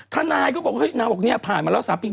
ทานายก็บอกนี่ผ่านมาแล้ว๓ปี